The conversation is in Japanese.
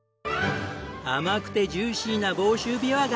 甘くてジューシーな房州びわが。